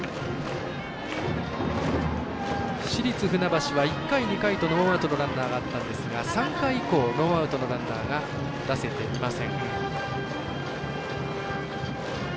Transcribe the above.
市立船橋は１回２回とノーアウトのランナーがあったんですが３回以降ノーアウトのランナーが出せていません。